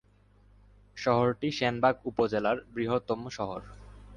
শহরটি সেনবাগ উপজেলার বৃহত্তম শহর।